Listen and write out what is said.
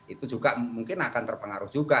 itu juga mungkin akan terpengaruh juga